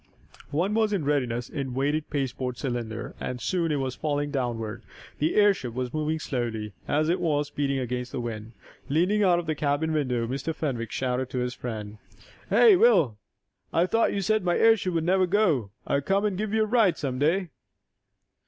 One was in readiness in a weighted pasteboard cylinder, and soon it was falling downward. The airship was moving slowly, as it was beating against the wind. Leaning out of the cabin window, Mr. Fenwick shouted to his friend: "Hey, Will! I thought you said my airship would never go! I'll come and give you a ride, some day!"